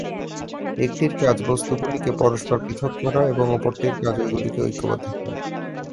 একটির কাজ বস্তুগুলিকে পরস্পর পৃথক করা এবং অপরটির কাজ ঐগুলিকে ঐক্যবদ্ধ করা।